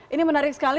ini menarik sekali